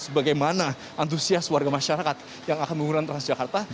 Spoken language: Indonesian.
sebagaimana antusias warga masyarakat yang akan menggunakan transjakarta